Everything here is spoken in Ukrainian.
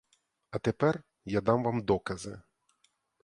А тепер я дам вам докази.